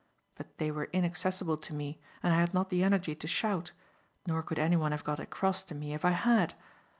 But they were inaccessible to me, and I had not the energy to shout; nor could anyone have got across to me if I had.